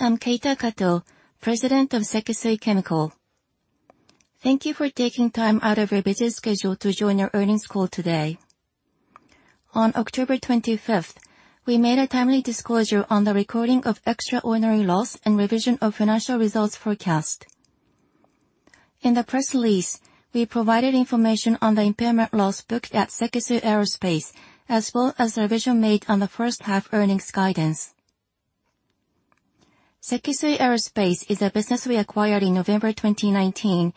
I am Keita Kato, President of Sekisui Chemical. Thank you for taking time out of your busy schedule to join our earnings call today. On October 25th, we made a timely disclosure on the recording of extraordinary loss and revision of financial results forecast. In the press release, we provided information on the impairment loss booked at Sekisui Aerospace, as well as the revision made on the first half earnings guidance. Sekisui Aerospace is a business we acquired in November 2019,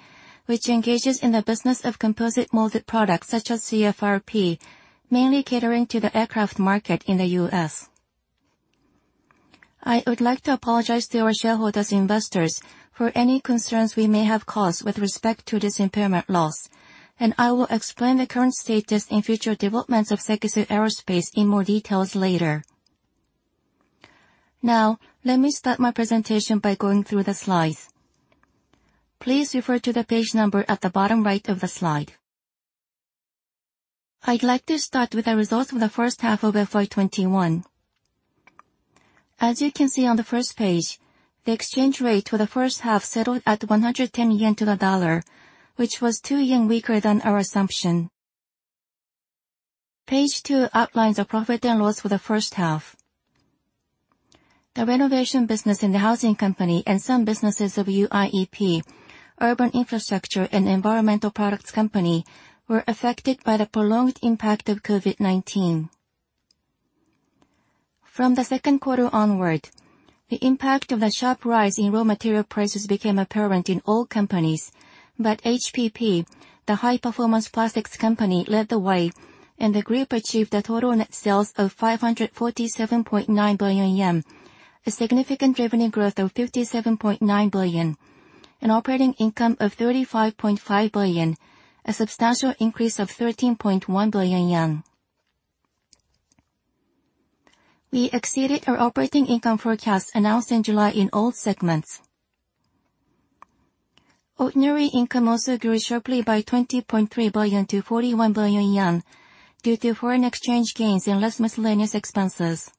which engages in the business of composite molded products such as CFRP, mainly catering to the aircraft market in the U.S. I would like to apologize to our shareholders and investors for any concerns we may have caused with respect to this impairment loss, and I will explain the current status and future developments of Sekisui Aerospace in more details later. Now let me start my presentation by going through the slides. Please refer to the page number at the bottom right of the slide. I'd like to start with the results of the first half of FY 2021. As you can see on the first page, the exchange rate for the first half settled at 110 yen to the dollar, which was 2 yen weaker than our assumption. Page two outlines our profit and loss for the first half. The renovation business in the Housing Company and some businesses of UIEP, Urban Infrastructure and Environmental Products Company, were affected by the prolonged impact of COVID-19. From the second quarter onward, the impact of the sharp rise in raw material prices became apparent in all companies. HPP, the High Performance Plastics Company, led the way, and the group achieved a total net sales of 547.9 billion yen, a significant revenue growth of 57.9 billion, and operating income of 35.5 billion, a substantial increase of 13.1 billion yen. We exceeded our operating income forecast announced in July in all segments. Ordinary income also grew sharply by 20.3 billion to 41 billion yen due to foreign exchange gains and less miscellaneous expenses.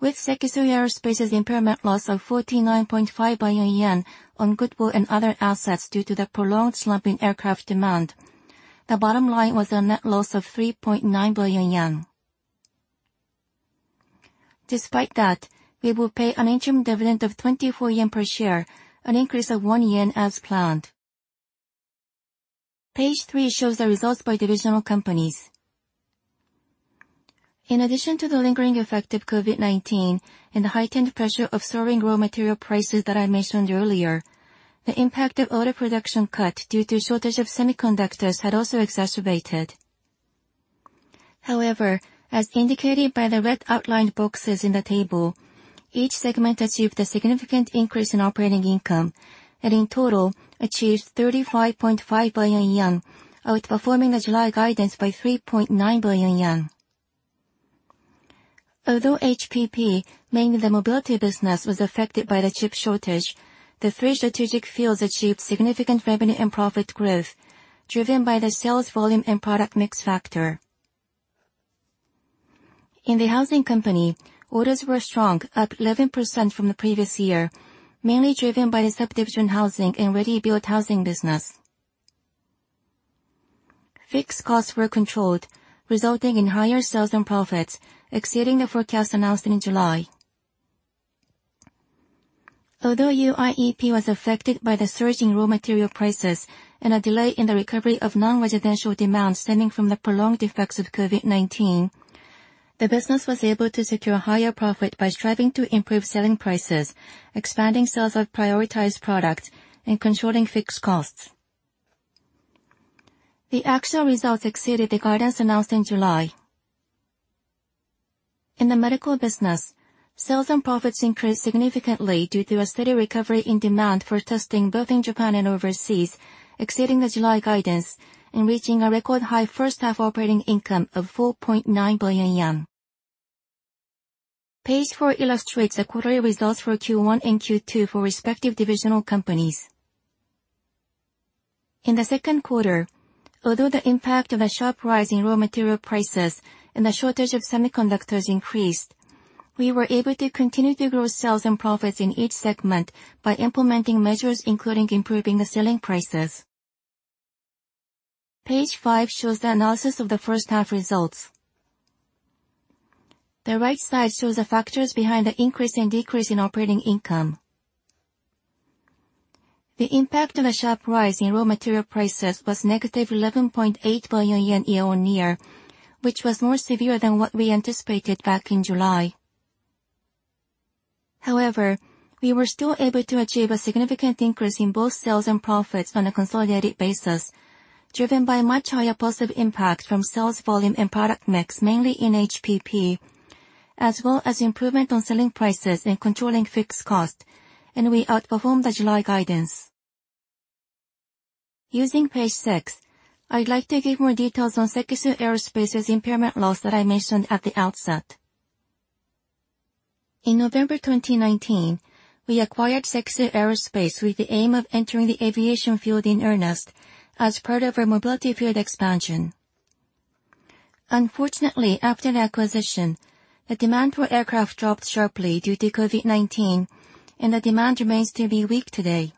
With Sekisui Aerospace's impairment loss of 49.5 billion yen on goodwill and other assets due to the prolonged slump in aircraft demand, the bottom line was a net loss of JPY 3.9 billion. Despite that, we will pay an interim dividend of 24 yen per share, an increase of 1 yen as planned. Page three shows the results by divisional companies. In addition to the lingering effect of COVID-19 and the heightened pressure of soaring raw material prices that I mentioned earlier, the impact of auto production cut due to shortage of semiconductors had also exacerbated. However, as indicated by the red outlined boxes in the table, each segment achieved a significant increase in operating income, and in total, achieved 35.5 billion yen, outperforming the July guidance by 3.9 billion yen. Although HPP, mainly the mobility business, was affected by the chip shortage, the three strategic fields achieved significant revenue and profit growth, driven by the sales volume and product mix factor. In the Housing Company, orders were strong, up 11% from the previous year, mainly driven by the subdivision housing and ready-built housing business. Fixed costs were controlled, resulting in higher sales and profits, exceeding the forecast announced in July. Although UIEP was affected by the surge in raw material prices and a delay in the recovery of non-residential demand stemming from the prolonged effects of COVID-19, the business was able to secure higher profit by striving to improve selling prices, expanding sales of prioritized products, and controlling fixed costs. The actual results exceeded the guidance announced in July. In the medical business, sales and profits increased significantly due to a steady recovery in demand for testing both in Japan and overseas, exceeding the July guidance and reaching a record high first half operating income of 4.9 billion yen. Page four illustrates the quarterly results for Q1 and Q2 for respective divisional companies. In the second quarter, although the impact of the sharp rise in raw material prices and the shortage of semiconductors increased, we were able to continue to grow sales and profits in each segment by implementing measures, including improving the selling prices. Page five shows the analysis of the first half results. The right side shows the factors behind the increase and decrease in operating income. The impact of a sharp rise in raw material prices was -11.8 billion yen year-on-year, which was more severe than what we anticipated back in July. However, we were still able to achieve a significant increase in both sales and profits on a consolidated basis, driven by much higher positive impact from sales volume and product mix, mainly in HPP, as well as improvement on selling prices and controlling fixed cost, and we outperformed the July guidance. Using page six, I'd like to give more details on SEKISUI Aerospace's impairment loss that I mentioned at the outset. In November 2019, we acquired SEKISUI Aerospace with the aim of entering the aviation field in earnest as part of our mobility field expansion. Unfortunately, after the acquisition, the demand for aircraft dropped sharply due to COVID-19, and the demand remains to be weak today.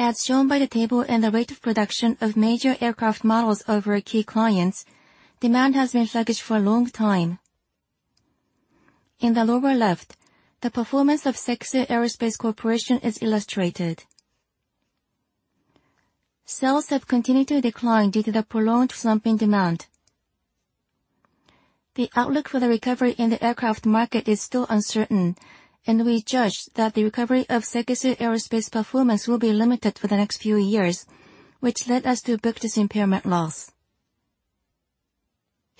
As shown by the table and the rate of production of major aircraft models of our key clients, demand has been sluggish for a long time. In the lower left, the performance of SEKISUI Aerospace Corporation is illustrated. Sales have continued to decline due to the prolonged slumping demand. The outlook for the recovery in the aircraft market is still uncertain, and we judge that the recovery of SEKISUI Aerospace performance will be limited for the next few years, which led us to book this impairment loss.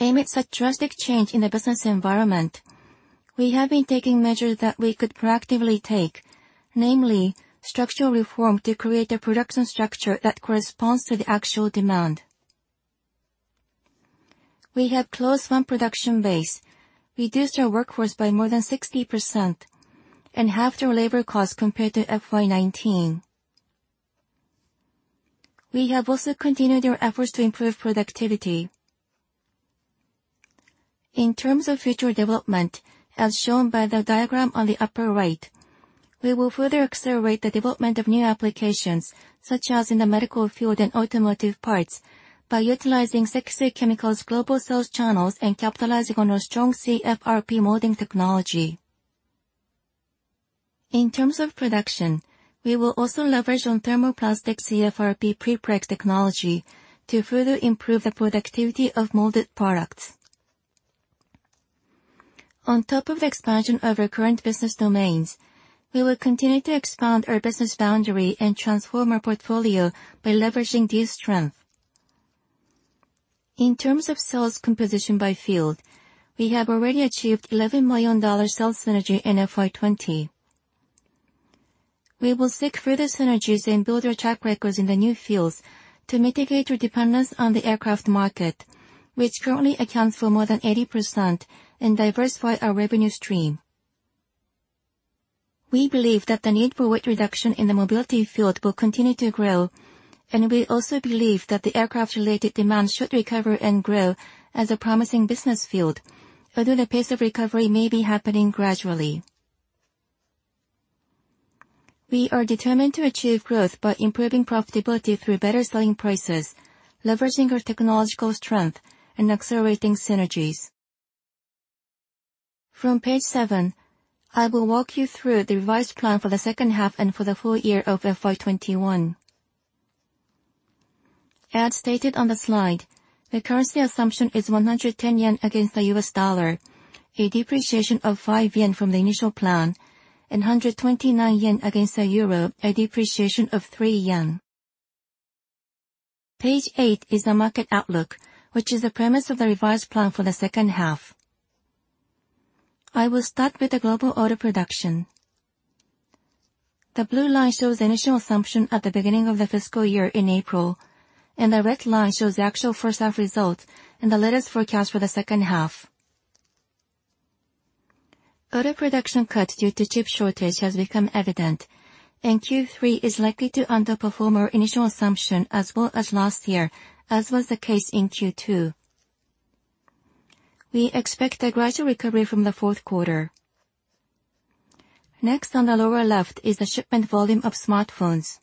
Amidst a drastic change in the business environment, we have been taking measures that we could proactively take, namely structural reform to create a production structure that corresponds to the actual demand. We have closed one production base, reduced our workforce by more than 60%, and halved our labor cost compared to FY 2019. We have also continued our efforts to improve productivity. In terms of future development, as shown by the diagram on the upper right, we will further accelerate the development of new applications, such as in the medical field and automotive parts, by utilizing Sekisui Chemical's global sales channels and capitalizing on our strong CFRP molding technology. In terms of production, we will also leverage on thermoplastic CFRP prepregs technology to further improve the productivity of molded products. On top of the expansion of our current business domains, we will continue to expand our business boundary and transform our portfolio by leveraging this strength. In terms of sales composition by field, we have already achieved $11 million sales synergy in FY 2020. We will seek further synergies and build our track records in the new fields to mitigate our dependence on the aircraft market, which currently accounts for more than 80%, and diversify our revenue stream. We believe that the need for weight reduction in the mobility field will continue to grow, and we also believe that the aircraft-related demand should recover and grow as a promising business field, although the pace of recovery may be happening gradually. We are determined to achieve growth by improving profitability through better selling prices, leveraging our technological strength, and accelerating synergies. From page seven, I will walk you through the revised plan for the second half and for the full year of FY 2021. As stated on the slide, the currency assumption is 110 yen against the US dollar, a depreciation of 5 yen from the initial plan, and 129 yen against the euro, a depreciation of 3 yen. Page eight is the market outlook, which is the premise of the revised plan for the second half. I will start with the global auto production. The blue line shows the initial assumption at the beginning of the fiscal year in April, and the red line shows the actual first half results and the latest forecast for the second half. Auto production cut due to chip shortage has become evident, and Q3 is likely to underperform our initial assumption as well as last year, as was the case in Q2. We expect a gradual recovery from the fourth quarter. Next, on the lower left is the shipment volume of smartphones.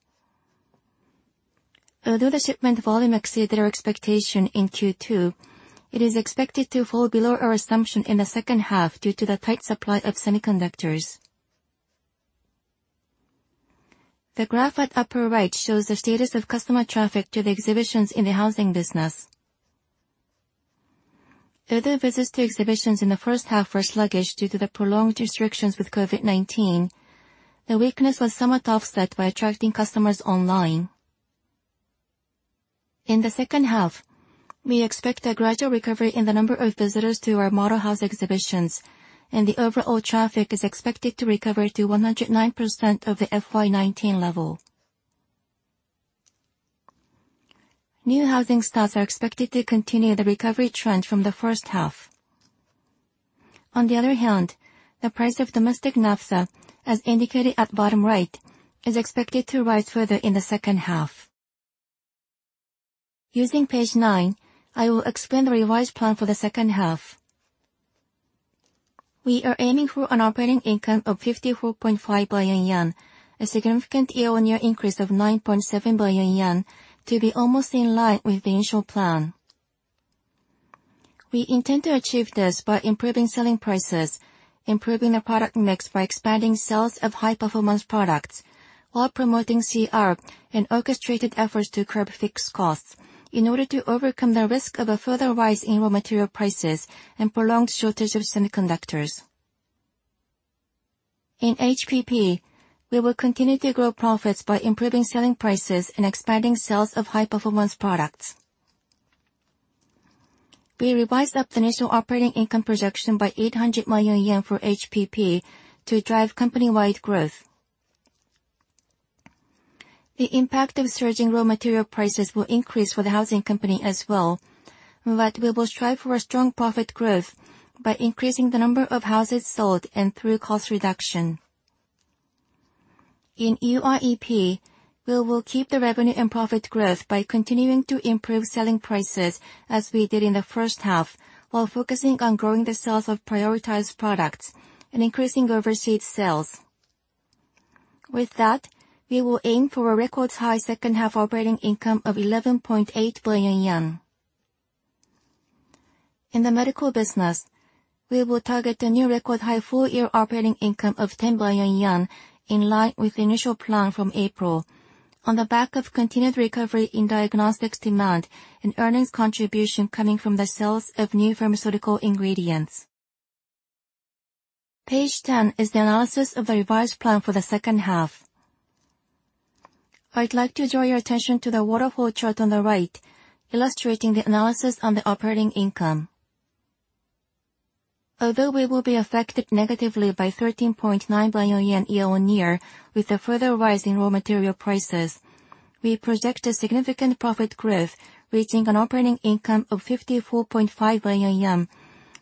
Although the shipment volume exceeded our expectation in Q2, it is expected to fall below our assumption in the second half due to the tight supply of semiconductors. The graph at upper right shows the status of customer traffic to the exhibitions in the housing business. Although visits to exhibitions in the first half were sluggish due to the prolonged restrictions with COVID-19, the weakness was somewhat offset by attracting customers online. In the second half, we expect a gradual recovery in the number of visitors to our model house exhibitions, and the overall traffic is expected to recover to 109% of the FY 2019 level. New housing starts are expected to continue the recovery trend from the first half. On the other hand, the price of domestic naphtha, as indicated at bottom right, is expected to rise further in the second half. Using page nine, I will explain the revised plan for the second half. We are aiming for an operating income of 54.5 billion yen, a significant year-on-year increase of 9.7 billion yen to be almost in line with the initial plan. We intend to achieve this by improving selling prices, improving the product mix by expanding sales of high-performance products, while promoting CR and orchestrated efforts to curb fixed costs in order to overcome the risk of a further rise in raw material prices and prolonged shortage of semiconductors. In HPP, we will continue to grow profits by improving selling prices and expanding sales of high-performance products. We revised up the initial operating income projection by 800 million yen for HPP to drive company-wide growth. The impact of surging raw material prices will increase for the Housing Company as well, but we will strive for a strong profit growth by increasing the number of houses sold and through cost reduction. In UIEP, we will keep the revenue and profit growth by continuing to improve selling prices as we did in the first half, while focusing on growing the sales of prioritized products and increasing overseas sales. With that, we will aim for a record high second half operating income of 11.8 billion yen. In the medical business, we will target a new record high full year operating income of 10 billion yen, in line with the initial plan from April, on the back of continued recovery in diagnostics demand and earnings contribution coming from the sales of new pharmaceutical ingredients. Page 10 is the analysis of the revised plan for the second half. I'd like to draw your attention to the waterfall chart on the right, illustrating the analysis on the operating income. Although we will be affected negatively by 13.9 billion yen year-on-year with a further rise in raw material prices, we project a significant profit growth, reaching an operating income of 54.5 billion yen,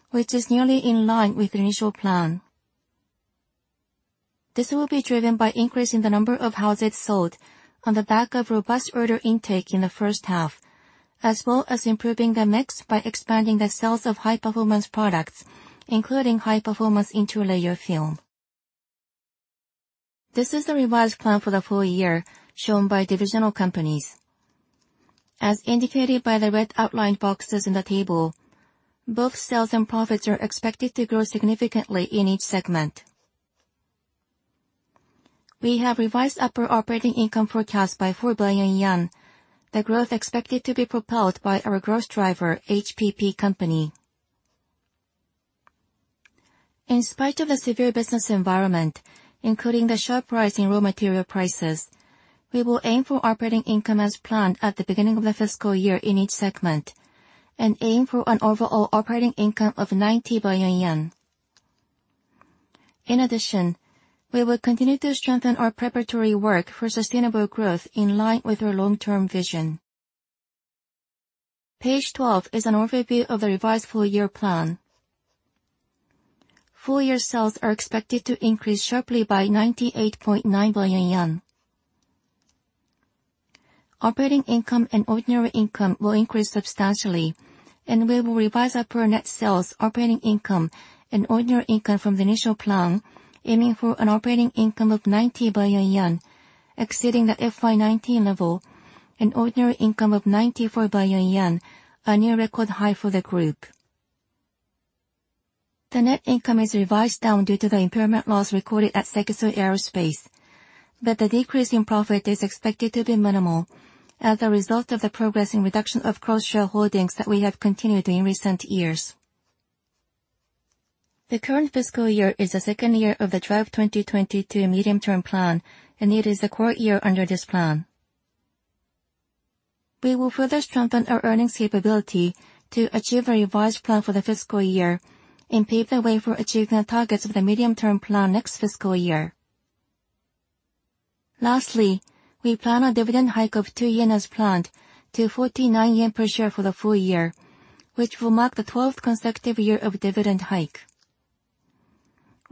which is nearly in line with the initial plan. This will be driven by increasing the number of houses sold on the back of robust order intake in the first half, as well as improving the mix by expanding the sales of high-performance products, including high-performance interlayer film. This is the revised plan for the full year shown by divisional companies. As indicated by the red outlined boxes in the table, both sales and profits are expected to grow significantly in each segment. We have revised upper operating income forecast by 4 billion yen. The growth is expected to be propelled by our growth driver, HPP Company. In spite of the severe business environment, including the sharp rise in raw material prices, we will aim for operating income as planned at the beginning of the fiscal year in each segment, and aim for an overall operating income of 90 billion yen. In addition, we will continue to strengthen our preparatory work for sustainable growth in line with our long-term vision. Page 12 is an overview of the revised full year plan. Full year sales are expected to increase sharply by 98.9 billion yen. Operating income and ordinary income will increase substantially, and we will revise upper net sales, operating income, and ordinary income from the initial plan, aiming for an operating income of 90 billion yen, exceeding the FY 2019 level, an ordinary income of 94 billion yen, a new record high for the group. Net income is revised down due to the impairment loss recorded at SEKISUI Aerospace, but the decrease in profit is expected to be minimal as a result of the progressing reduction of cross-shareholdings that we have continued in recent years. The current fiscal year is the second year of the Drive 2022 medium-term plan, and it is the core year under this plan. We will further strengthen our earnings capability to achieve the revised plan for the fiscal year and pave the way for achieving the targets of the medium-term plan next fiscal year. Lastly, we plan a dividend hike of 2 yen as planned to 49 yen per share for the full year, which will mark the 12th consecutive year of dividend hike.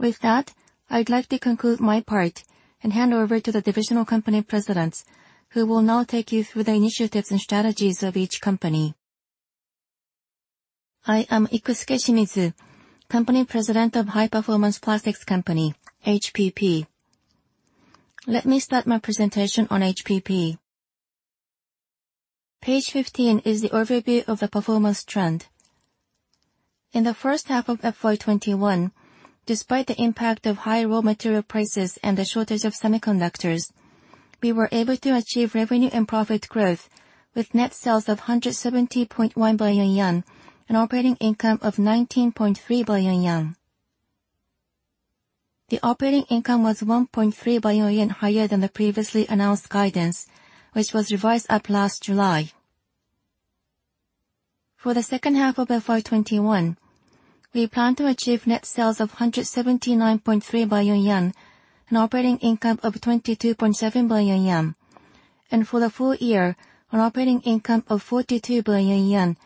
With that, I'd like to conclude my part and hand over to the divisional company presidents, who will now take you through the initiatives and strategies of each company. I am Ikusuke Shimizu, Company President of High Performance Plastics Company, HPP. Let me start my presentation on HPP. Page 15 is the overview of the performance trend. In the first half of FY 2021, despite the impact of high raw material prices and the shortage of semiconductors, we were able to achieve revenue and profit growth with net sales of 170.1 billion yen, an operating income of 19.3 billion yen. The operating income was 1.3 billion yen higher than the previously announced guidance, which was revised up last July. For the second half of FY 2021, we plan to achieve net sales of 179.3 billion yen, an operating income of 22.7 billion yen. For the full year, an operating income of 42 billion yen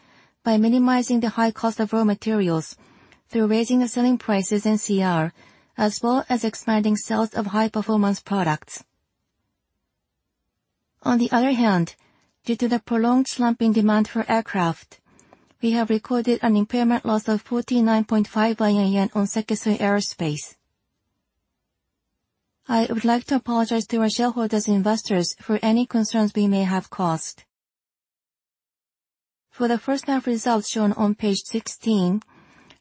by minimizing the high cost of raw materials through raising the selling prices in CR, as well as expanding sales of high-performance products. On the other hand, due to the prolonged slumping demand for aircraft, we have recorded an impairment loss of 49.5 billion yen on Sekisui Aerospace. I would like to apologize to our shareholders and investors for any concerns we may have caused. For the first half results shown on page 16,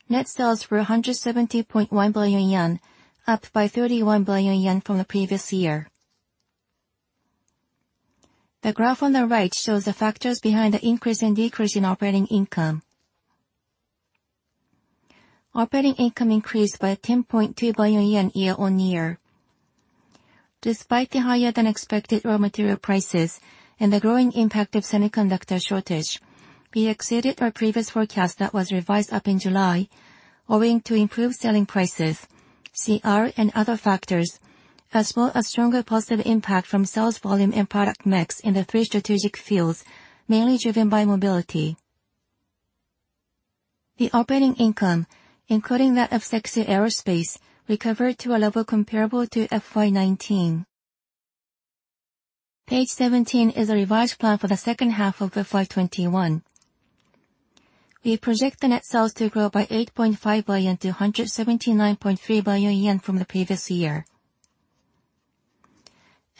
net sales were 170.1 billion yen, up by 31 billion yen from the previous year. The graph on the right shows the factors behind the increase and decrease in operating income. Operating income increased by 10.2 billion yen year-on-year. Despite the higher than expected raw material prices and the growing impact of semiconductor shortage, we exceeded our previous forecast that was revised up in July, owing to improved selling prices, CR, and other factors, as well as stronger positive impact from sales volume and product mix in the three strategic fields, mainly driven by mobility. The operating income, including that of SEKISUI Aerospace, recovered to a level comparable to FY 2019. Page 17 is a revised plan for the second half of FY 2021. We project the net sales to grow by 8.5 billion to 179.3 billion yen from the previous year.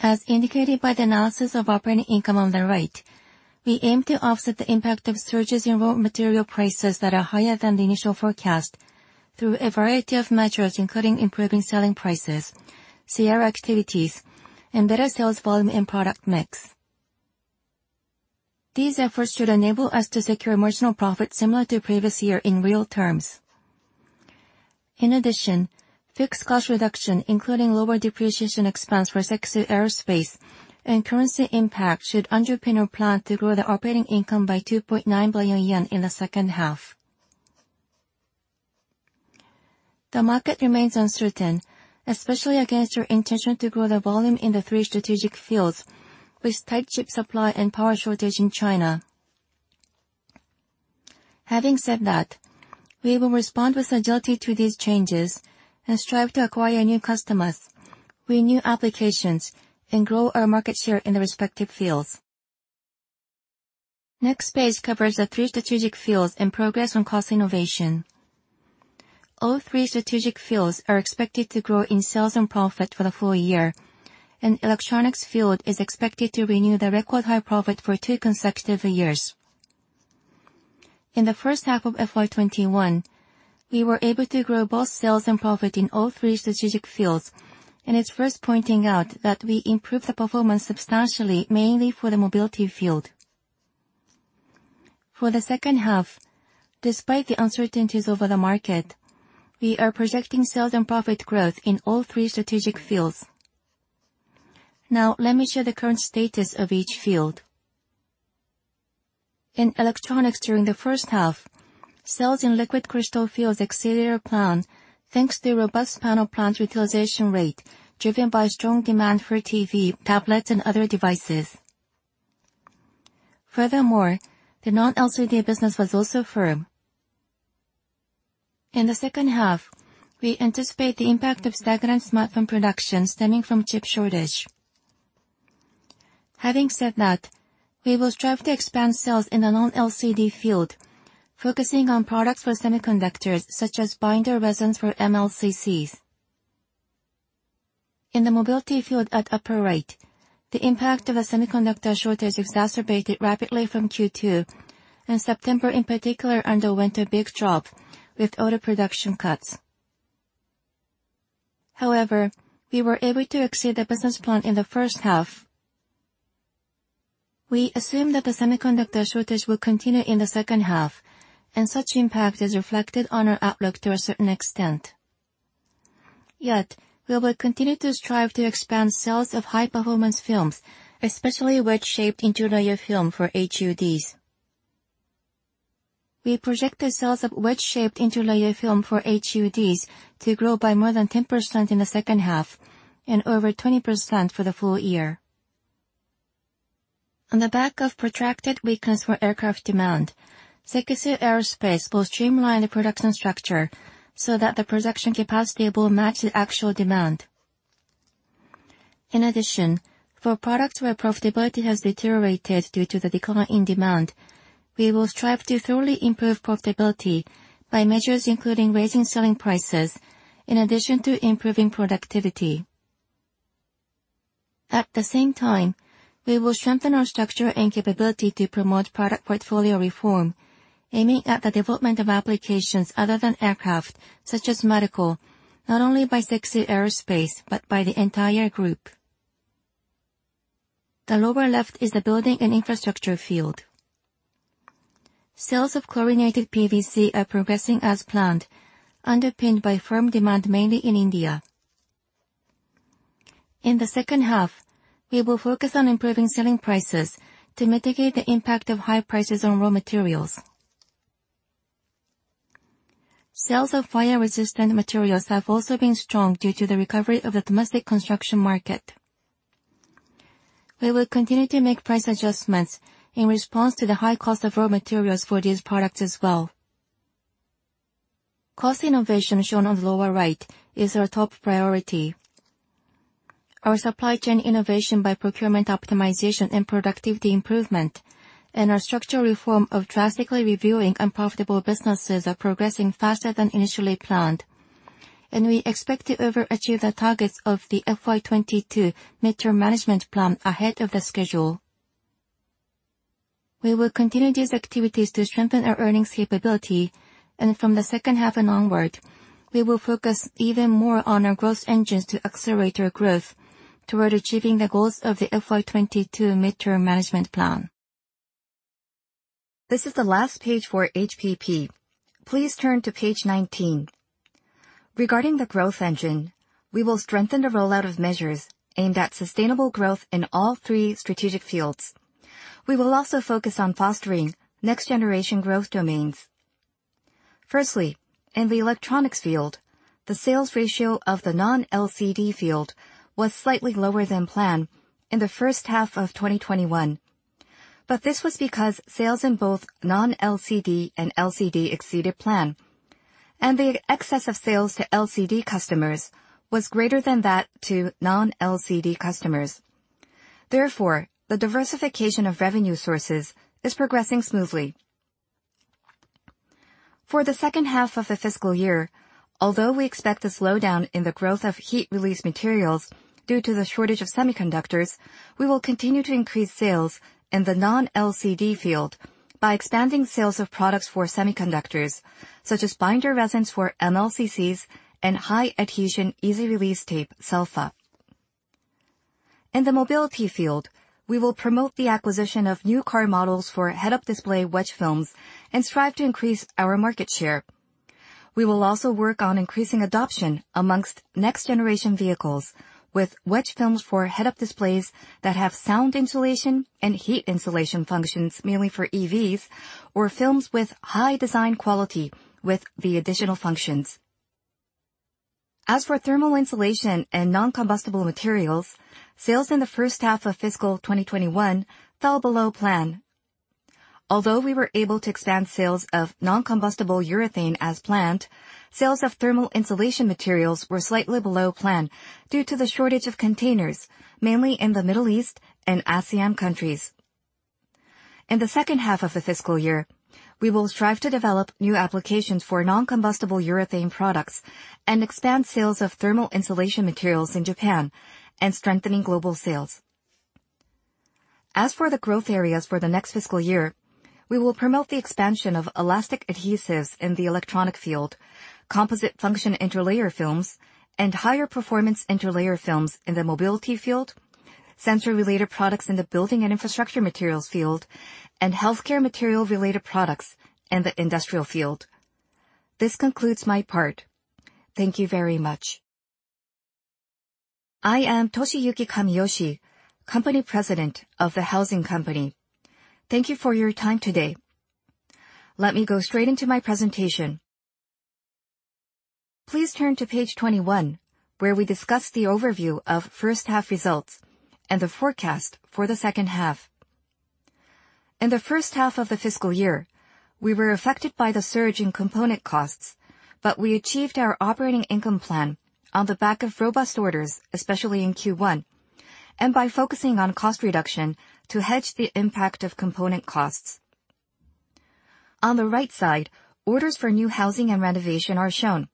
As indicated by the analysis of operating income on the right, we aim to offset the impact of surges in raw material prices that are higher than the initial forecast through a variety of measures, including improving selling prices, CR activities, and better sales volume and product mix. These efforts should enable us to secure marginal profit similar to previous year in real terms. In addition, fixed cost reduction, including lower depreciation expense for SEKISUI Aerospace and currency impact, should underpin our plan to grow the operating income by 2.9 billion yen in the second half. The market remains uncertain, especially against our intention to grow the volume in the three strategic fields with tight chip supply and power shortage in China. Having said that, we will respond with agility to these changes and strive to acquire new customers, renew applications, and grow our market share in the respective fields. Next page covers the three strategic fields and progress on cost innovation. All three strategic fields are expected to grow in sales and profit for the full year, and electronics field is expected to renew the record high profit for two consecutive years. In the first half of FY 2021, we were able to grow both sales and profit in all three strategic fields, and it's worth pointing out that we improved the performance substantially, mainly for the mobility field. For the second half, despite the uncertainties over the market, we are projecting sales and profit growth in all three strategic fields. Now let me share the current status of each field. In electronics during the first half, sales in liquid crystal fields exceeded our plan, thanks to robust panel plants utilization rate driven by strong demand for TV, tablets, and other devices. Furthermore, the non-LCD business was also firm. In the second half, we anticipate the impact of stagnant smartphone production stemming from chip shortage. Having said that, we will strive to expand sales in the non-LCD field, focusing on products for semiconductors such as binder resins for MLCCs. In the mobility field at upper right, the impact of a semiconductor shortage exacerbated rapidly from Q2, and September in particular underwent a big drop with auto production cuts. However, we were able to exceed the business plan in the first half. We assume that the semiconductor shortage will continue in the second half, and such impact is reflected on our outlook to a certain extent. Yet we will continue to strive to expand sales of high-performance films, especially wedge-shaped interlayer film for HUDs. We project the sales of wedge-shaped interlayer film for HUDs to grow by more than 10% in the second half and over 20% for the full year. On the back of protracted weakness for aircraft demand, Sekisui Aerospace will streamline the production structure so that the production capacity will match the actual demand. In addition, for products where profitability has deteriorated due to the decline in demand, we will strive to thoroughly improve profitability by measures including raising selling prices in addition to improving productivity. At the same time, we will strengthen our structure and capability to promote product portfolio reform, aiming at the development of applications other than aircraft, such as medical, not only by Sekisui Aerospace, but by the entire group. The lower left is the building and infrastructure field. Sales of chlorinated PVC are progressing as planned, underpinned by firm demand, mainly in India. In the second half, we will focus on improving selling prices to mitigate the impact of high prices on raw materials. Sales of fire-resistant materials have also been strong due to the recovery of the domestic construction market. We will continue to make price adjustments in response to the high cost of raw materials for these products as well. Cost innovation shown on the lower right is our top priority. Our supply chain innovation by procurement optimization and productivity improvement and our structural reform of drastically reviewing unprofitable businesses are progressing faster than initially planned, and we expect to overachieve the targets of the FY 2022 mid-term management plan ahead of the schedule. We will continue these activities to strengthen our earnings capability, and from the second half and onward, we will focus even more on our growth engines to accelerate our growth toward achieving the goals of the FY 2022 mid-term management plan. This is the last page for HPP. Please turn to page 19. Regarding the growth engine, we will strengthen the rollout of measures aimed at sustainable growth in all three strategic fields. We will also focus on fostering next generation growth domains. Firstly, in the electronics field The sales ratio of the non-LCD field was slightly lower than planned in the first half of 2021. This was because sales in both non-LCD and LCD exceeded plan, and the excess of sales to LCD customers was greater than that to non-LCD customers. Therefore, the diversification of revenue sources is progressing smoothly. For the second half of the fiscal year, although we expect a slowdown in the growth of heat release materials due to the shortage of semiconductors, we will continue to increase sales in the non-LCD field by expanding sales of products for semiconductors, such as binder resins for MLCCs and high-adhesion easy release tape, SELFA. In the mobility field, we will promote the acquisition of new car models for head-up display wedge films and strive to increase our market share. We will also work on increasing adoption amongst next-generation vehicles with wedge films for head-up displays that have sound insulation and heat insulation functions mainly for EVs or films with high design quality with the additional functions. As for thermal insulation and non-combustible materials, sales in the first half of fiscal 2021 fell below plan. Although we were able to expand sales of non-combustible urethane as planned, sales of thermal insulation materials were slightly below plan due to the shortage of containers, mainly in the Middle East and ASEAN countries. In the second half of the fiscal year, we will strive to develop new applications for non-combustible urethane products and expand sales of thermal insulation materials in Japan and strengthen global sales. As for the growth areas for the next fiscal year, we will promote the expansion of elastic adhesives in the electronic field, composite function interlayer films, and higher performance interlayer films in the mobility field, sensor-related products in the building and infrastructure materials field, and healthcare material-related products in the industrial field. This concludes my part. Thank you very much. I am Toshiyuki Kamiyoshi, President of the Housing Company. Thank you for your time today. Let me go straight into my presentation. Please turn to page 21, where we discuss the overview of first half results and the forecast for the second half. In the first half of the fiscal year, we were affected by the surge in component costs, but we achieved our operating income plan on the back of robust orders, especially in Q1, and by focusing on cost reduction to hedge the impact of component costs. On the right side, orders for new housing and renovation are shown.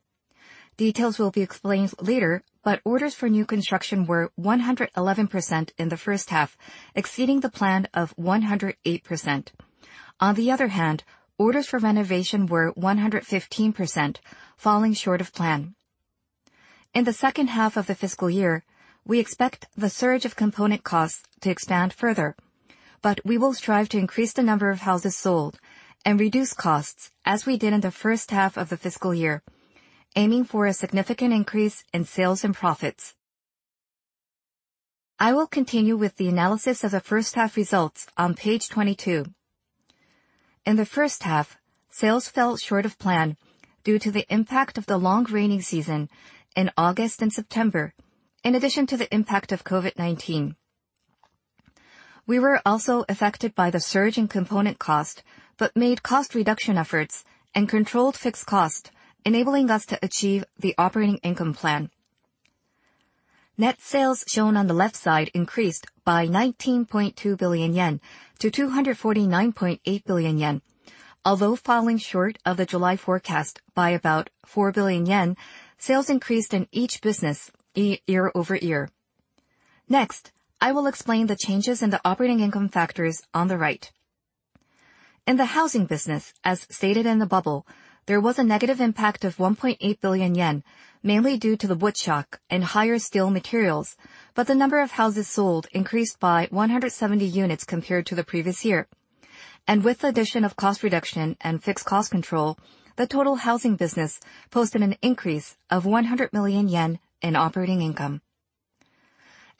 Details will be explained later, but orders for new construction were 111% in the first half, exceeding the plan of 108%. On the other hand, orders for renovation were 115%, falling short of plan. In the second half of the fiscal year, we expect the surge of component costs to expand further, but we will strive to increase the number of houses sold and reduce costs as we did in the first half of the fiscal year, aiming for a significant increase in sales and profits. I will continue with the analysis of the first half results on page 22. In the first half, sales fell short of plan due to the impact of the long rainy season in August and September, in addition to the impact of COVID-19. We were also affected by the surge in component cost, but made cost reduction efforts and controlled fixed cost, enabling us to achieve the operating income plan. Net sales shown on the left side increased by 19.2 billion yen to 249.8 billion yen. Although falling short of the July forecast by about 4 billion yen, sales increased in each business year-over-year. Next, I will explain the changes in the operating income factors on the right. In the housing business, as stated in the bubble, there was a negative impact of 1.8 billion yen, mainly due to the wood shock and higher steel materials. The number of houses sold increased by 170 units compared to the previous year. With the addition of cost reduction and fixed cost control, the total housing business posted an increase of 100 million yen in operating income.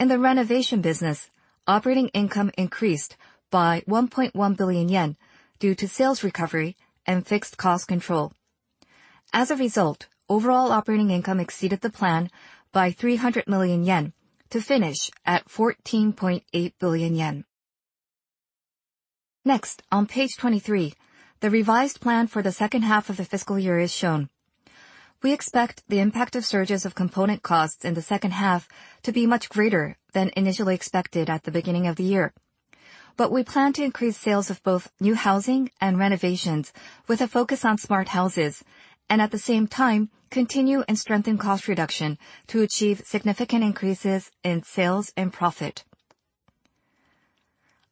In the renovation business, operating income increased by 1.1 billion yen due to sales recovery and fixed cost control. As a result, overall operating income exceeded the plan by 300 million yen to finish at 14.8 billion yen. Next, on page 23, the revised plan for the second half of the fiscal year is shown. We expect the impact of surges of component costs in the second half to be much greater than initially expected at the beginning of the year. We plan to increase sales of both new housing and renovations with a focus on smart houses and at the same time continue and strengthen cost reduction to achieve significant increases in sales and profit.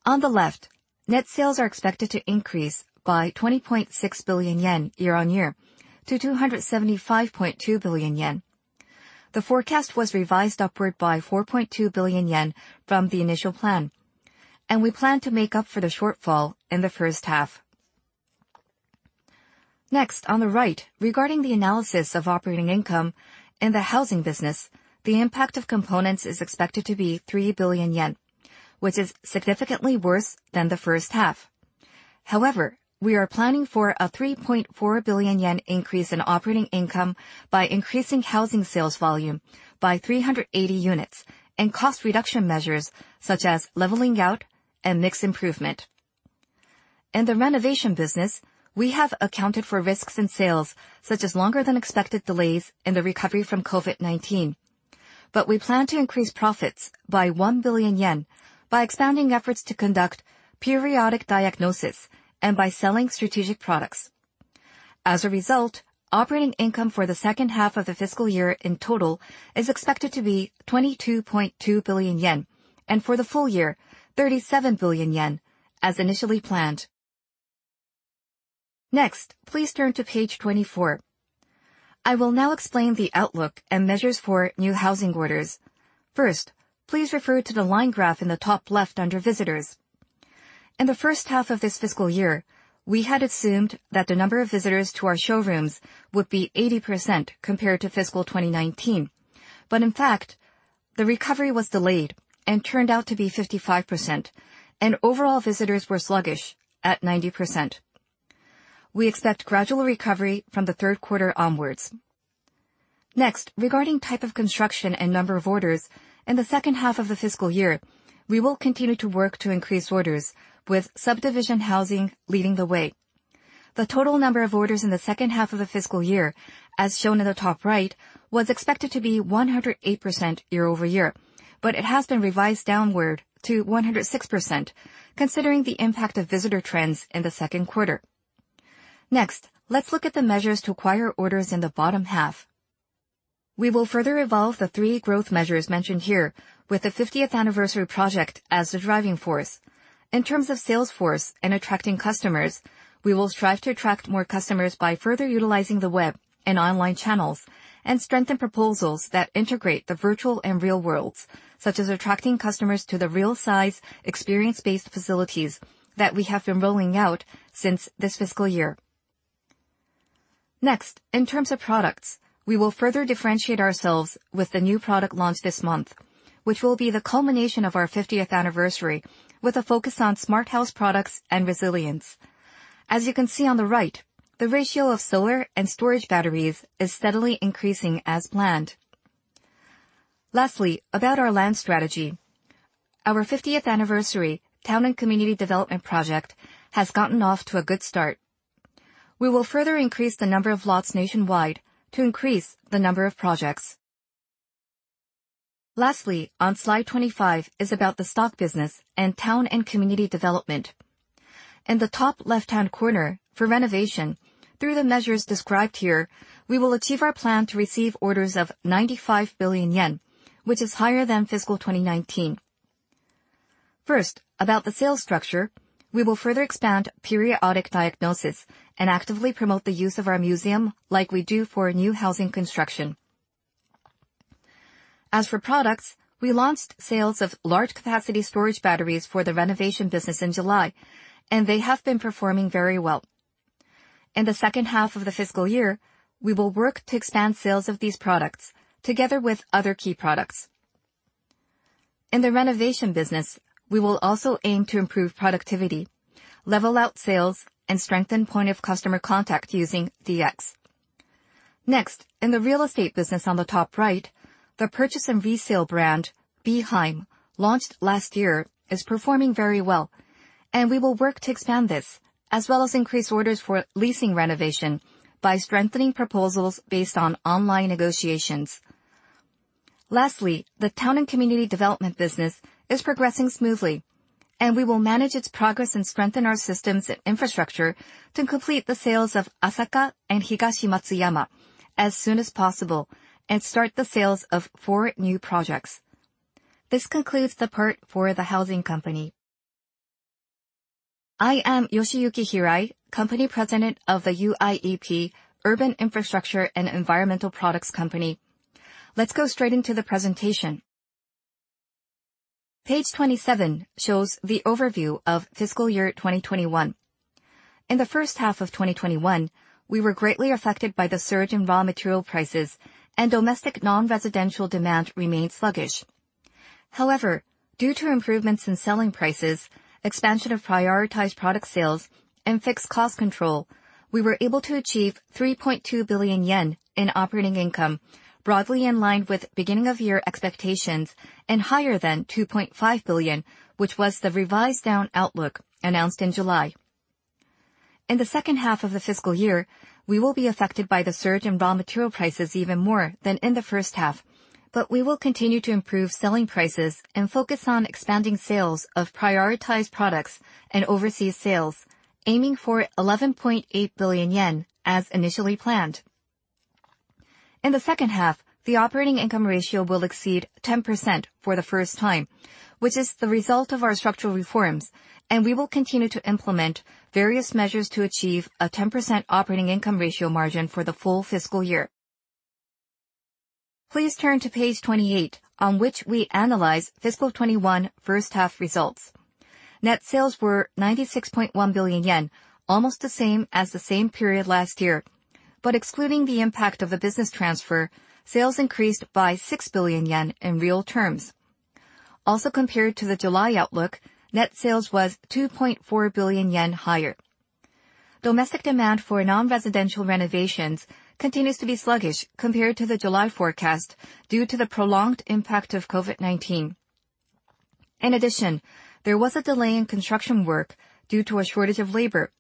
On the left, net sales are expected to increase by 20.6 billion yen year-on-year to 275.2 billion yen. The forecast was revised upward by 4.2 billion yen from the initial plan, and we plan to make up for the shortfall in the first half. Next on the right, regarding the analysis of operating income in the housing business, the impact of components is expected to be 3 billion yen, which is significantly worse than the first half. However, we are planning for a 3.4 billion yen increase in operating income by increasing housing sales volume by 380 units and cost reduction measures such as leveling out and mix improvement. In the renovation business, we have accounted for risks in sales such as longer than expected delays in the recovery from COVID-19. We plan to increase profits by 1 billion yen by expanding efforts to conduct periodic diagnosis and by selling strategic products. As a result, operating income for the second half of the fiscal year in total is expected to be 22.2 billion yen and for the full year 37 billion yen as initially planned. Next, please turn to page 24. I will now explain the outlook and measures for new housing orders. First, please refer to the line graph in the top left under Visitors. In the first half of this fiscal year, we had assumed that the number of visitors to our showrooms would be 80% compared to FY 2019. In fact, the recovery was delayed and turned out to be 55% and overall visitors were sluggish at 90%. We expect gradual recovery from the third quarter onwards. Next, regarding type of construction and number of orders in the second half of the fiscal year, we will continue to work to increase orders with subdivision housing leading the way. The total number of orders in the second half of the fiscal year, as shown in the top right, was expected to be 108% year-over-year, but it has been revised downward to 106% considering the impact of visitor trends in the second quarter. Next, let's look at the measures to acquire orders in the bottom half. We will further evolve the three growth measures mentioned here with the fiftieth anniversary project as the driving force. In terms of sales force and attracting customers, we will strive to attract more customers by further utilizing the web and online channels and strengthen proposals that integrate the virtual and real worlds, such as attracting customers to the real size experience-based facilities that we have been rolling out since this fiscal year. Next, in terms of products, we will further differentiate ourselves with the new product launch this month, which will be the culmination of our fiftieth anniversary with a focus on smart house products and resilience. As you can see on the right, the ratio of solar and storage batteries is steadily increasing as planned. Lastly, about our land strategy. Our 50th anniversary town and community development project has gotten off to a good start. We will further increase the number of lots nationwide to increase the number of projects. Lastly, on slide 25 is about the stock business and town and community development. In the top left-hand corner for renovation through the measures described here, we will achieve our plan to receive orders of 95 billion yen, which is higher than FY 2019. First, about the sales structure. We will further expand periodic diagnosis and actively promote the use of our museum like we do for new housing construction. As for products, we launched sales of large capacity storage batteries for the renovation business in July, and they have been performing very well. In the second half of the fiscal year, we will work to expand sales of these products together with other key products. In the renovation business, we will also aim to improve productivity, level out sales, and strengthen point of customer contact using DX. Next, in the real estate business on the top right, the purchase and resale brand Be-Heim, launched last year, is performing very well and we will work to expand this as well as increase orders for leasing renovation by strengthening proposals based on online negotiations. Lastly, the town and community development business is progressing smoothly, and we will manage its progress and strengthen our systems and infrastructure to complete the sales of Asaka and Higashi Matsuyama as soon as possible and start the sales of four new projects. This concludes the part for the Housing Company. I am Yoshiyuki Hirai, Company President of the UIEP, Urban Infrastructure & Environmental Products Company. Let's go straight into the presentation. Page 27 shows the overview of fiscal year 2021. In the first half of 2021, we were greatly affected by the surge in raw material prices and domestic non-residential demand remained sluggish. However, due to improvements in selling prices, expansion of prioritized product sales and fixed cost control, we were able to achieve 3.2 billion yen in operating income, broadly in line with beginning of year expectations and higher than 2.5 billion, which was the revised down outlook announced in July. In the second half of the fiscal year, we will be affected by the surge in raw material prices even more than in the first half. We will continue to improve selling prices and focus on expanding sales of prioritized products and overseas sales, aiming for 11.8 billion yen as initially planned. In the second half, the operating income ratio will exceed 10% for the first time, which is the result of our structural reforms, and we will continue to implement various measures to achieve a 10% operating income ratio margin for the full fiscal year. Please turn to page 28 on which we analyze fiscal 2021 first half results. Net sales were 96.1 billion yen, almost the same as the same period last year. Excluding the impact of the business transfer, sales increased by 6 billion yen in real terms. Also, compared to the July outlook, net sales was 2.4 billion yen higher. Domestic demand for non-residential renovations continues to be sluggish compared to the July forecast due to the prolonged impact of COVID-19. In addition, there was a delay in construction work due to a shortage of labor,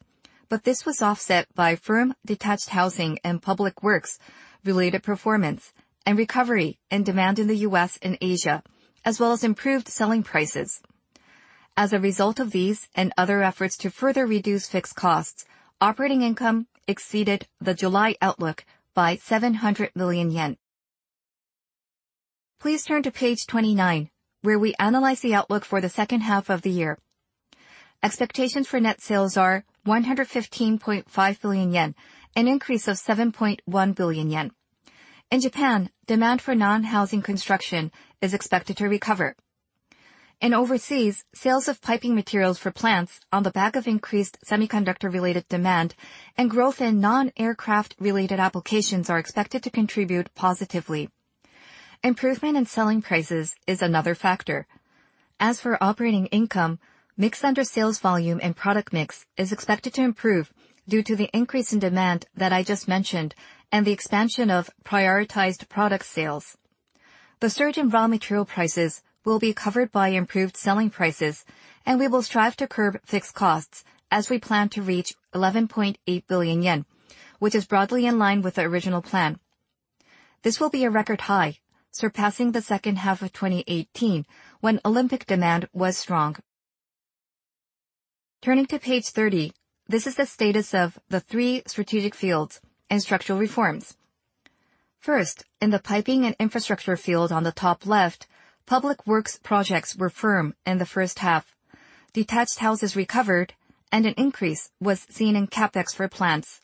but this was offset by firm detached housing and public works-related performance and recovery and demand in the U.S. and Asia, as well as improved selling prices. As a result of these and other efforts to further reduce fixed costs, operating income exceeded the July outlook by 700 million yen. Please turn to page 29, where we analyze the outlook for the second half of the year. Expectations for net sales are 115.5 billion yen, an increase of 7.1 billion yen. In Japan, demand for non-housing construction is expected to recover. In overseas, sales of piping materials for plants on the back of increased semiconductor-related demand and growth in non-aircraft related applications are expected to contribute positively. Improvement in selling prices is another factor. As for operating income, mix under sales volume and product mix is expected to improve due to the increase in demand that I just mentioned and the expansion of prioritized product sales. The surge in raw material prices will be covered by improved selling prices, and we will strive to curb fixed costs as we plan to reach 11.8 billion yen, which is broadly in line with the original plan. This will be a record high, surpassing the second half of 2018, when Olympic demand was strong. Turning to page 30. This is the status of the three strategic fields and structural reforms. First, in the piping and infrastructure field on the top left, public works projects were firm in the first half. Detached houses recovered and an increase was seen in CapEx for plants.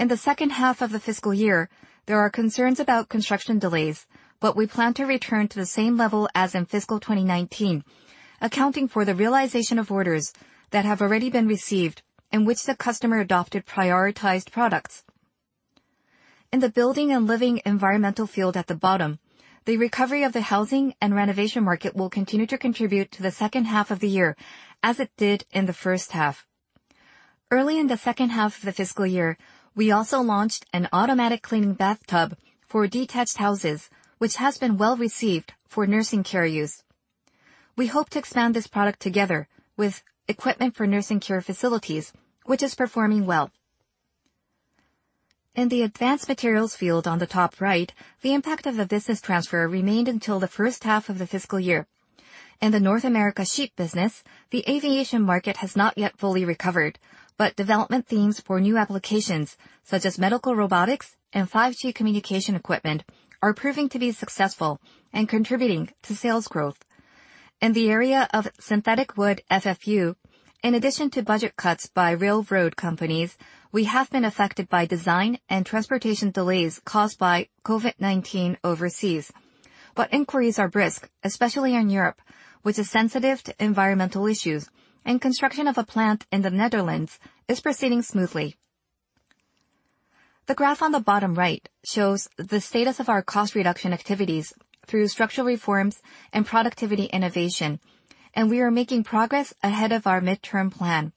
In the second half of the fiscal year, there are concerns about construction delays, but we plan to return to the same level as in fiscal 2019, accounting for the realization of orders that have already been received in which the customer adopted prioritized products. In the building and living environmental field at the bottom, the recovery of the housing and renovation market will continue to contribute to the second half of the year as it did in the first half. Early in the second half of the fiscal year, we also launched an automatic cleaning bathtub for detached houses, which has been well-received for nursing care use. We hope to expand this product together with equipment for nursing care facilities, which is performing well. In the advanced materials field on the top right, the impact of the business transfer remained until the first half of the fiscal year. In the North America sheet business, the aviation market has not yet fully recovered, but development themes for new applications such as medical robotics and 5G communication equipment are proving to be successful and contributing to sales growth. In the area of synthetic wood FFU, in addition to budget cuts by railroad companies, we have been affected by design and transportation delays caused by COVID-19 overseas. Inquiries are brisk, especially in Europe, which is sensitive to environmental issues, and construction of a plant in the Netherlands is proceeding smoothly. The graph on the bottom right shows the status of our cost reduction activities through structural reforms and productivity innovation, and we are making progress ahead of our medium-term plan.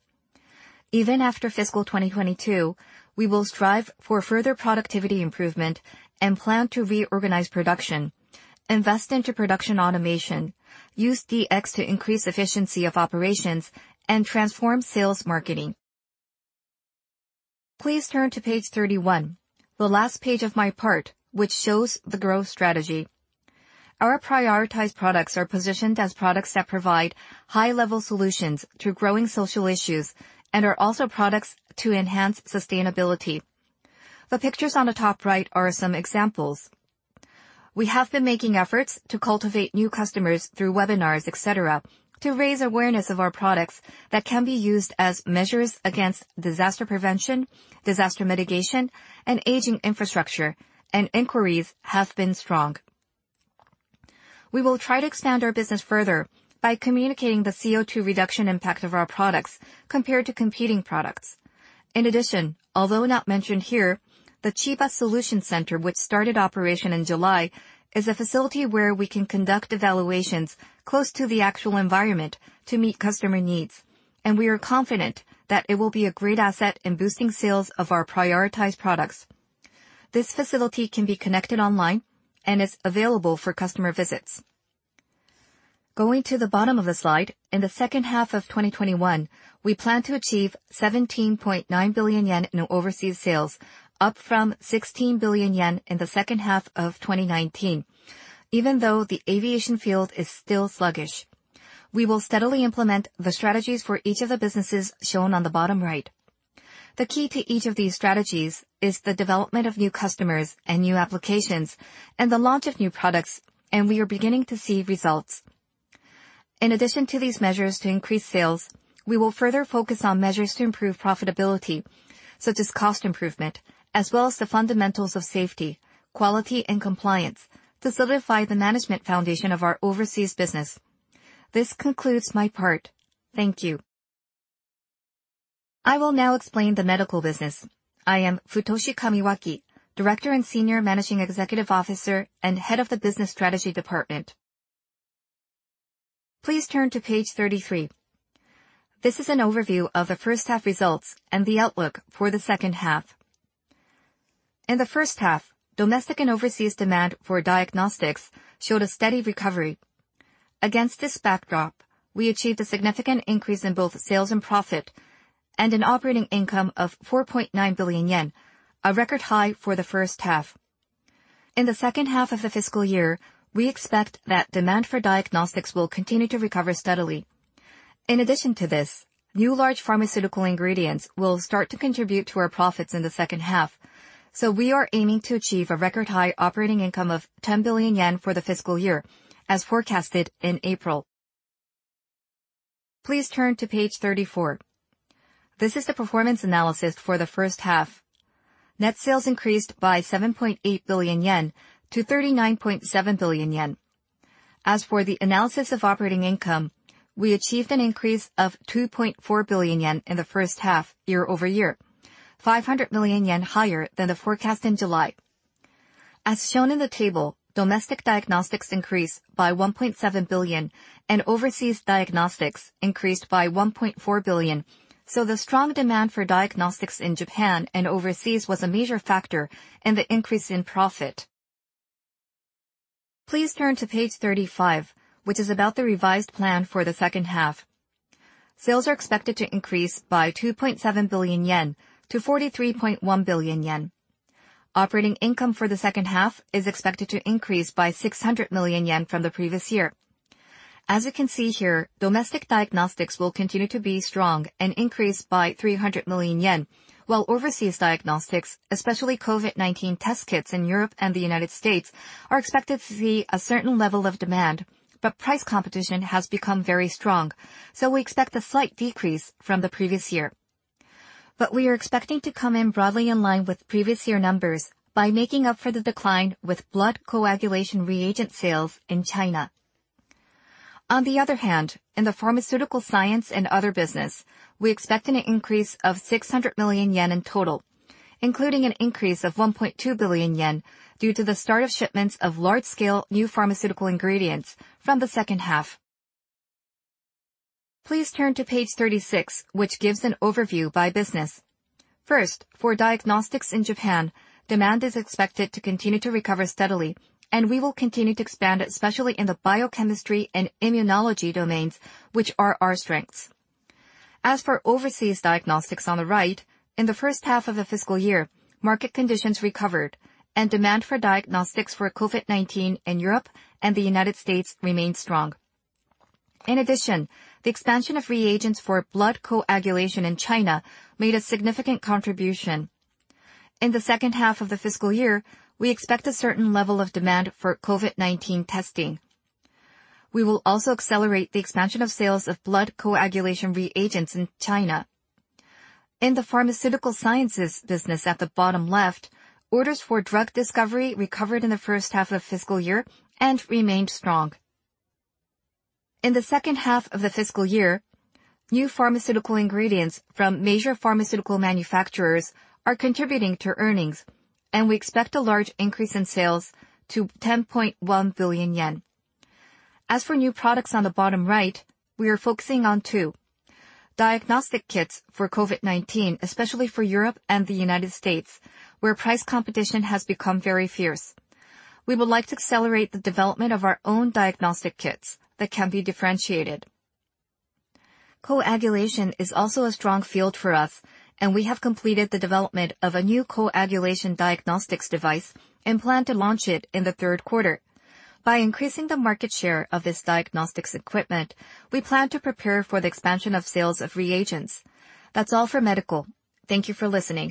Even after FY 2022, we will strive for further productivity improvement and plan to reorganize production, invest into production automation, use DX to increase efficiency of operations, and transform sales marketing. Please turn to page 31, the last page of my part, which shows the growth strategy. Our prioritized products are positioned as products that provide high-level solutions to growing social issues and are also products to enhance sustainability. The pictures on the top right are some examples. We have been making efforts to cultivate new customers through webinars, et cetera, to raise awareness of our products that can be used as measures against disaster prevention, disaster mitigation, and aging infrastructure, and inquiries have been strong. We will try to expand our business further by communicating the CO2 reduction impact of our products compared to competing products. In addition, although not mentioned here, the Chiba Solution Center, which started operation in July, is a facility where we can conduct evaluations close to the actual environment to meet customer needs, and we are confident that it will be a great asset in boosting sales of our prioritized products. This facility can be connected online and is available for customer visits. Going to the bottom of the slide, in the second half of 2021, we plan to achieve 17.9 billion yen in overseas sales, up from 16 billion yen in the second half of 2019, even though the aviation field is still sluggish. We will steadily implement the strategies for each of the businesses shown on the bottom right. The key to each of these strategies is the development of new customers and new applications and the launch of new products, and we are beginning to see results. In addition to these measures to increase sales, we will further focus on measures to improve profitability, such as cost improvement, as well as the fundamentals of safety, quality, and compliance to solidify the management foundation of our overseas business. This concludes my part. Thank you. I will now explain the medical business. I am Futoshi Kamiwaki, Director, Senior Managing Executive Officer, and Head of the Business Strategy Department. Please turn to page 33. This is an overview of the first half results and the outlook for the second half. In the first half, domestic and overseas demand for diagnostics showed a steady recovery. Against this backdrop, we achieved a significant increase in both sales and profit and an operating income of 4.9 billion yen, a record high for the first half. In the second half of the fiscal year, we expect that demand for diagnostics will continue to recover steadily. In addition to this, new large pharmaceutical ingredients will start to contribute to our profits in the second half, so we are aiming to achieve a record high operating income of 10 billion yen for the fiscal year as forecasted in April. Please turn to page 34. This is the performance analysis for the first half. Net sales increased by 7.8 billion yen to 39.7 billion yen. As for the analysis of operating income, we achieved an increase of 2.4 billion yen in the first half year-over-year, 500 million yen higher than the forecast in July. As shown in the table, domestic diagnostics increased by 1.7 billion and overseas diagnostics increased by 1.4 billion. The strong demand for diagnostics in Japan and overseas was a major factor in the increase in profit. Please turn to page 35, which is about the revised plan for the second half. Sales are expected to increase by 2.7 billion yen to 43.1 billion yen. Operating income for the second half is expected to increase by 600 million yen from the previous year. As you can see here, domestic diagnostics will continue to be strong and increase by 300 million yen while overseas diagnostics, especially COVID-19 test kits in Europe and the United States, are expected to see a certain level of demand. Price competition has become very strong, so we expect a slight decrease from the previous year. We are expecting to come in broadly in line with previous year numbers by making up for the decline with blood coagulation reagent sales in China. On the other hand, in the pharmaceutical science and other business, we expect an increase of 600 million yen in total, including an increase of 1.2 billion yen due to the start of shipments of large-scale new pharmaceutical ingredients from the second half. Please turn to page 36, which gives an overview by business. First, for diagnostics in Japan, demand is expected to continue to recover steadily, and we will continue to expand, especially in the biochemistry and immunology domains, which are our strengths. As for overseas diagnostics on the right, in the first half of the fiscal year, market conditions recovered and demand for diagnostics for COVID-19 in Europe and the United States remained strong. In addition, the expansion of reagents for blood coagulation in China made a significant contribution. In the second half of the fiscal year, we expect a certain level of demand for COVID-19 testing. We will also accelerate the expansion of sales of blood coagulation reagents in China. In the pharmaceutical sciences business at the bottom left, orders for drug discovery recovered in the first half of the fiscal year and remained strong. In the second half of the fiscal year, new pharmaceutical ingredients from major pharmaceutical manufacturers are contributing to earnings, and we expect a large increase in sales to 10.1 billion yen. As for new products on the bottom right, we are focusing on two diagnostic kits for COVID-19, especially for Europe and the United States, where price competition has become very fierce. We would like to accelerate the development of our own diagnostic kits that can be differentiated. Coagulation is also a strong field for us, and we have completed the development of a new coagulation diagnostics device and plan to launch it in the third quarter. By increasing the market share of this diagnostics equipment, we plan to prepare for the expansion of sales of reagents. That's all for medical. Thank you for listening.